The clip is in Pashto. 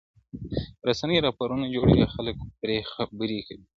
• رسنۍ راپورونه جوړوي او خلک پرې خبري کوي..